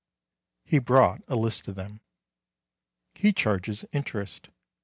He brought a list of them. He charges interest.